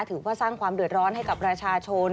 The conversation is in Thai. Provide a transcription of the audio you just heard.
ถือว่าสร้างความเดือดร้อนให้กับประชาชน